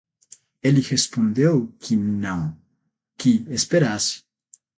Ele respondeu que não, que esperasse.